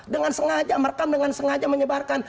dia merekam dengan sengaja menyebarkan